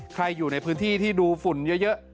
อยู่ในพื้นที่ที่ดูฝุ่นเยอะ